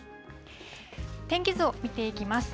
天気図を見ていきます。